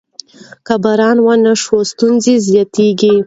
که باران ونه شي ستونزې زیاتېږي.